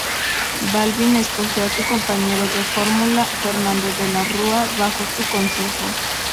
Balbín escogió a su compañero de fórmula, Fernando de la Rúa, bajo su consejo.